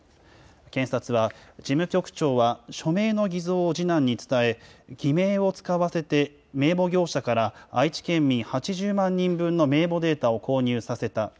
検察は、事務局長は署名の偽造を次男に伝え、偽名を使わせて名簿業者から愛知県民８０万人分の名簿データを購入させた。